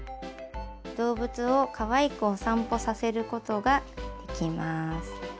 動物をかわいくお散歩させることができます。